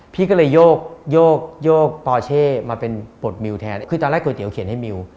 พี่ก็เลยโยกโยกโยกปอเช่มาเป็นปลดมิวแทนคือตอนแรกก๋วเตี๋เขียนให้มิว